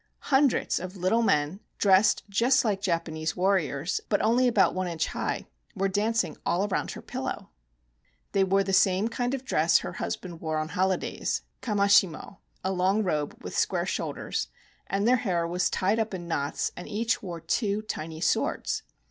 Hundreds of little men, dressed just like Japanese warriors, but only about one inch high, were dancing all around her pillow. They Coogk' CHIN CHIN KOBAKAMA 18 wore the same kind of dress her husband wore on holidays (Kamishimo, a long robe with square shoulders), and their hair was tied up in knots, and each wore two tiny swords.